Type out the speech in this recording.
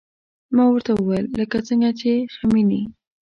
ما ورته وويل لکه څنګه چې خميني.